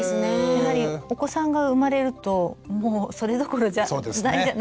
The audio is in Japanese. やはりお子さんが生まれるともうそれどころじゃないじゃないですか。